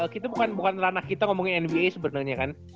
kita bukan ranah kita ngomongin nba sebenarnya kan